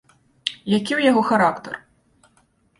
Які ў яго характар?